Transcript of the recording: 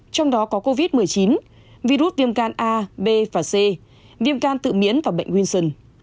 trong đó có covid một mươi chín virus viêm gan a b và c viêm gan tự miễn và bệnh winson